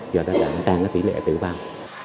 do đó là nó tăng cái tỷ lệ tử vong